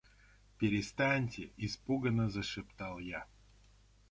— Перестаньте, — испуганно зашептал я.